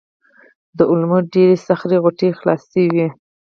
د علومو ډېرې سخر غوټې خلاصې شوې وې.